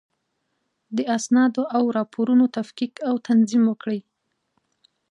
د اسنادو او راپورونو تفکیک او تنظیم وکړئ.